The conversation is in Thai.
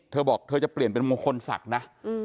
เธอบอกเธอจะเปลี่ยนเป็นมงคลศักดิ์นะ